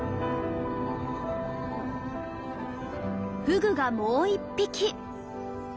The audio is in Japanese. フグがもう一匹。